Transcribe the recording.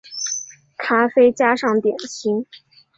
咖啡加上点心